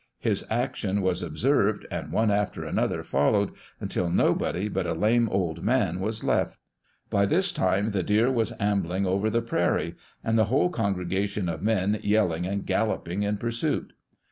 His action was observed, and one after another followed, until nobody but a lame old man was left. By this time the deer was ambling over the prairie, and the whole con gregation of men yelling and galloping in pursuit.